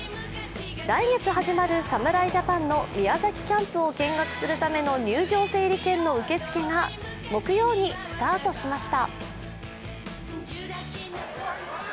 来月始まる侍ジャパンの宮崎キャンプを見学するための入場整理券の受け付けが木曜日にスタートしました。